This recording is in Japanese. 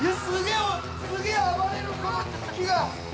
◆すげえ暴れる、この木が。